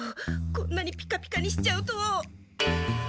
こんなにピカピカにしちゃうと。